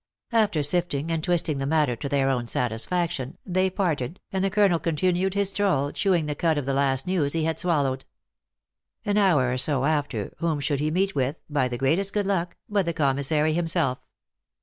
After sifting and twisting the matter to their own satisfaction, they parted, and the colonel continued his stroll, chewing the cud of the last news he had swallowed. An hour or so after, whom should he meet with, by the greatest good luck, but the commissary himself.